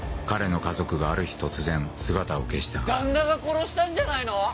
彼の家族がある日突然姿を消した旦那が殺したんじゃないの？